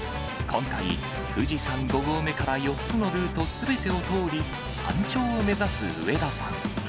今回、富士山５合目から４つのルートすべてを通り、山頂を目指す上田さん。